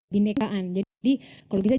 binekaan jadi kalau bisa